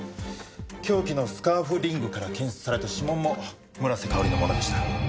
凶器のスカーフリングから検出された指紋も村瀬香織のものでした。